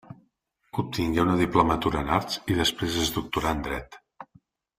Obtingué una diplomatura en arts i després en doctorà en dret.